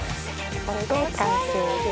これで完成です。